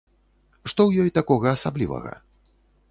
Што ў ёй такога асаблівага?